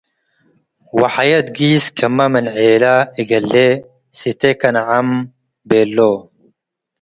ወሐየት፤ “ጊስ ከመ፡ ምን ዔለ እገሌ ስቴ ከነዐምሥ ቤሎ'።